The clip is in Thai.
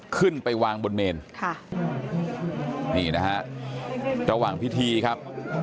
ขึ้นไปวางบนเมนค่ะนี่นะฮะระหว่างพิธีครับ